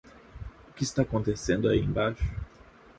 O que está acontecendo aí embaixo?